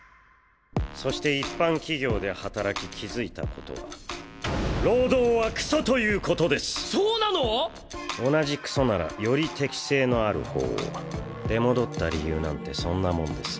そして一般企業で働き気付いたことは労働はクソということですそうなの同じクソならより適性のある方を出戻った理由なんてそんなもんです